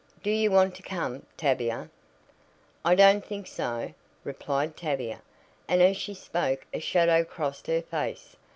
Do you want to come, Tavia?" "I don't think so," replied Tavia; and as she spoke a shadow crossed her face.